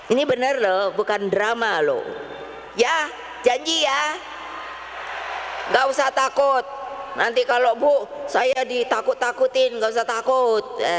ini bener loh bukan drama loh ya janji ya nggak usah takut nanti kalau bu saya ditakut takutin nggak usah takut